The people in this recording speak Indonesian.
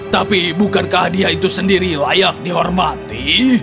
tapi bukankah hadiah itu sendiri layak dihormati